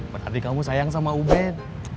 berarti kamu sayang sama ubed